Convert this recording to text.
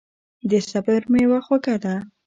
د صبر میوه خوږه ده.